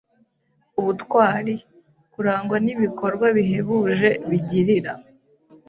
Ubutwari: kurangwa n’ibikorwa bihebuje bigirira